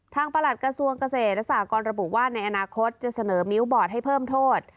ประหลัดกระทรวงเกษตรและสหกรระบุว่าในอนาคตจะเสนอมิ้วบอร์ดให้เพิ่มโทษ